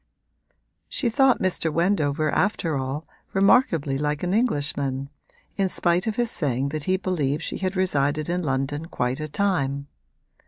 She thought Mr. Wendover after all remarkably like an Englishman, in spite of his saying that he believed she had resided in London quite a time.